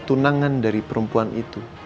tunangan dari perempuan itu